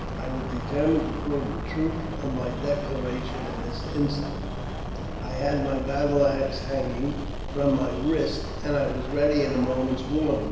I was determined to prove the truth of my declaration in this instance. I had my battle axe hanging from my wrist, and I was ready at a moment's warning.